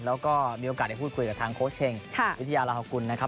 แล้วก็มีโอกาสได้พูดคุยกับทางโค้ชเชงวิทยาลาฮกุลนะครับ